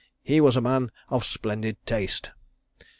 HE WAS A MAN OF SPLENDID TASTE.